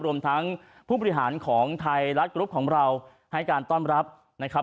รวมทั้งผู้บริหารของไทยรัฐกรุ๊ปของเราให้การต้อนรับนะครับ